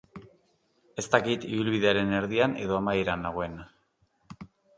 Ez dakit ibilbidearen erdian edo amaieran nagoen.